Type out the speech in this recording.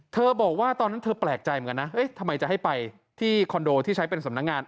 บอกว่าตอนนั้นเธอแปลกใจเหมือนกันนะทำไมจะให้ไปที่คอนโดที่ใช้เป็นสำนักงาน